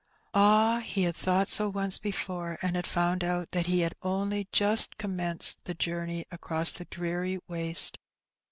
Ah ! he had thought so once before^ and had found out that he had only just commenced the journey across the dreary waste.